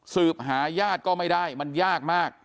สืบหาญาติก็ไม่ได้มันยากมาก